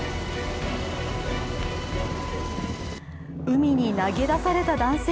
海に投げ出された男性。